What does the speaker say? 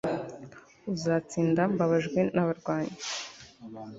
Uzatsinda mbabajwe nabarwanyi